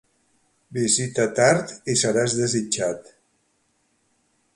Visita tard i seràs desitjat.